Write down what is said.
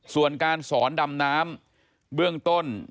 ส่วนการสอนดำน้ำเบื้องต้น